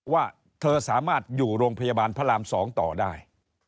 ว่าเธอสามารถอยู่โรงพยาบาลพระราม๒ต่อได้